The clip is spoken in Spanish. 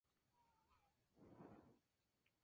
Posee nacionalidad rusa.